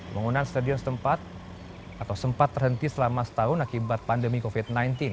pengguna stadion sempat terhenti selama setahun akibat pandemi covid sembilan belas